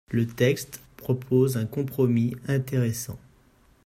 Le texte propose un compromis intéressant.